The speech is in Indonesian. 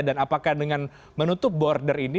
dan apakah dengan menutup border ini